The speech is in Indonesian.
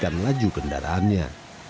melambatkan laju kendaraannya